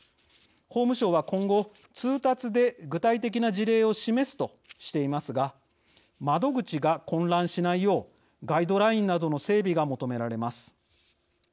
法務省は今後通達で具体的な事例を示すとしていますが窓口が混乱しないようガイドラインなどの整備が求められます。